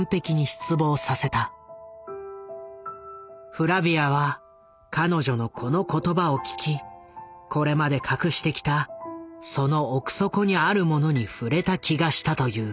フラヴィアは彼女のこの言葉を聞きこれまで隠してきたその奥底にあるものに触れた気がしたという。